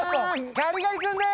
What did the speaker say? ガリガリ君です！